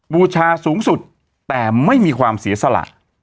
บูชาสูงสุดแต่ไม่มีความเสียสละ